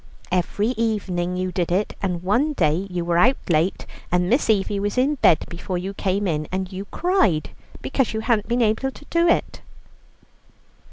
Every evening you did it; and one day you were out late, and Miss Evie was in bed before you came in, and you cried because you hadn't been able to do it."